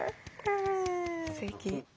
すてき。